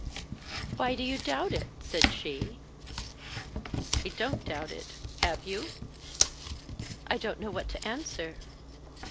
"Why do you doubt it?" said she. "I don't doubt it. Have you?" "I don't know what to answer."